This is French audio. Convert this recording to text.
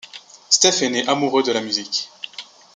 Stef est né amoureux de la musique.